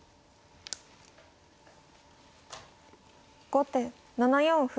後手７四歩。